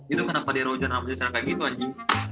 itu kenapa derozen namanya secara kayak gitu anjing